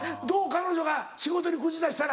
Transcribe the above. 彼女が仕事に口出したら。